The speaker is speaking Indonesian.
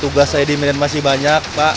tugas saya di medan masih banyak pak